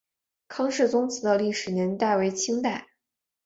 康氏宗祠的历史年代为清代。